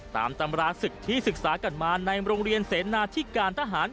ตำราศึกที่ศึกษากันมาในโรงเรียนเสนาที่การทหาร